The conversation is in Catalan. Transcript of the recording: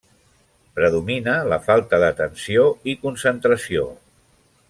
Predomina la falta d'atenció i concentració.